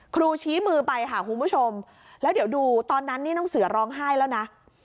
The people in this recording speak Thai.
ครูชี้มือไปค่ะคุณผู้ชมแล้วเดี๋ยวดูตอนนั้นนี่น้องเสือร้องไห้แล้วนะ